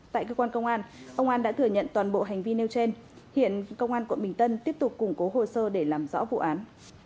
tại cơ quan công an ông an đã thừa nhận toàn bộ hành vi nêu trên hiện công an quận bình tân tiếp tục củng cố hồ sơ để làm rõ vụ án